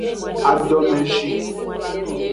Adomeji.